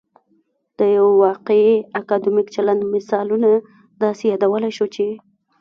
د یو واقعي اکادمیک چلند مثالونه داسې يادولای شو چې